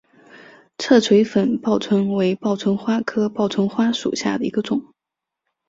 俯垂粉报春为报春花科报春花属下的一个种。